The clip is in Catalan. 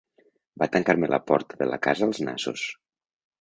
Va tancar-me la porta de la casa als nassos.